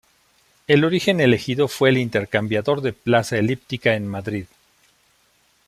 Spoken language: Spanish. El origen elegido fue el Intercambiador de Plaza Elíptica, en Madrid.